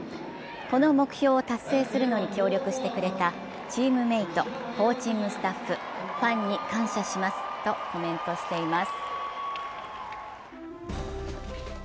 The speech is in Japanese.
この目標を達成するのに協力してくれたチームメート、コーチングスタッフ、ファンに感謝しますとコメントしています。